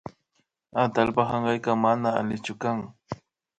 Atallpa ankayka mana allichu kan